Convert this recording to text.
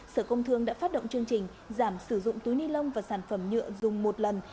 sở công thương đã phát động chương trình giảm sử dụng túi ni lông và sản phẩm nhựa dùng một lần